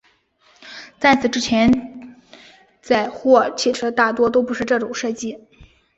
在此之前载货汽车大多都不是这种设计。